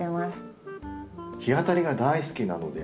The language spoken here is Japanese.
日当たりが大好きなので。